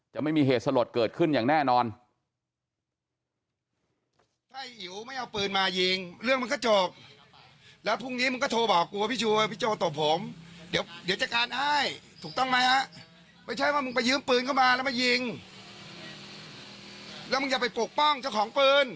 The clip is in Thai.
ไม่มีเหตุสลดเกิดขึ้นอย่างแน่นอน